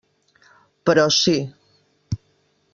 Però sí.